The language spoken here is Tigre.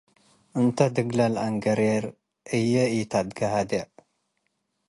እንተ ድግለል አንገሬር እዬ ኢተአትጋዴዕ።